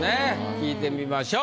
聞いてみましょう。